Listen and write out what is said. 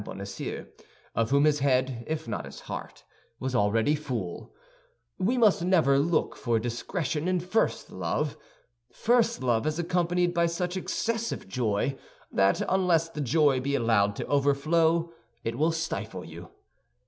Bonacieux, of whom his head, if not his heart, was already full. We must never look for discretion in first love. First love is accompanied by such excessive joy that unless the joy be allowed to overflow, it will stifle you.